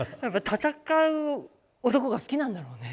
戦う男が好きなんだろうね。